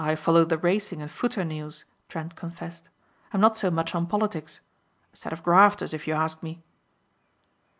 "I follow the racing and footer news," Trent confessed. "I'm not so much on politics. A set of grafters if you ask me."